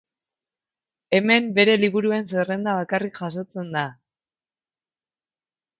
Hemen bere liburuen zerrenda bakarrik jasotzen da.